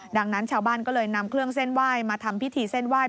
ดังนั้นชาวบ้านก็เลยนำเครื่องเส้นไหว้มาทำพิธีเส้นไหว้